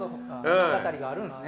物語があるんですね。